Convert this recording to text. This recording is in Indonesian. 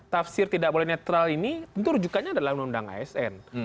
tafsir tidak boleh netral ini tentu rujukannya adalah undang asn